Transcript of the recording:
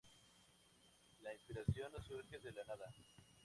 La inspiración no surge de la nada